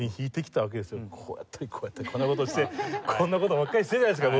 こうやったりこうやったりこんな事をしてこんな事ばっかりしてるじゃないですか